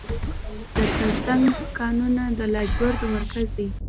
د سرسنګ کانونه د لاجوردو مرکز دی